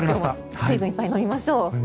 水分いっぱい飲みましょう。